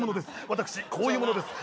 「私こういう者です」